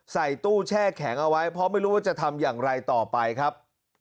ใส่ตู้แช่แข็งเอาไว้เพราะไม่รู้ว่าจะทำอย่างไรต่อไปครับ